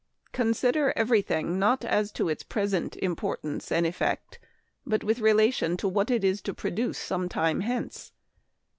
Consider every thing not as to its pres ent importance and effect, but with relation to what it is to produce some time hence.